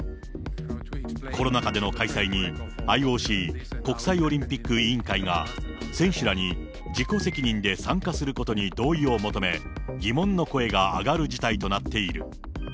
コロナ禍での開催に、ＩＯＣ・国際オリンピック委員会が、選手らに自己責任で参加することに同意を求め、疑問の声が上がる事態となっている。